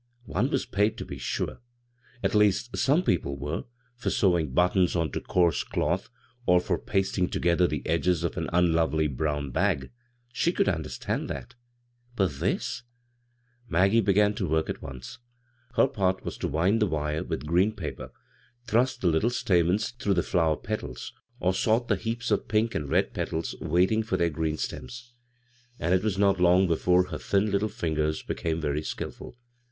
One was paid, to be sure, — at least some people were — for sewing but tons on to coarse cloth, or for pasting to gether the edges of an unlovely brown bag. She could understand that But this —— I Maggie began work at once. Her part was to wind the wire with green paper, thrust the little stamens through the flower petals, or sort the heaps of pink and red petals wait ing for their green steins ; and it was not long before her thin little fingers became very skil ful.